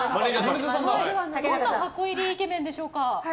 どんな箱入りイケメンでしょうか。